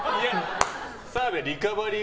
澤部リカバリー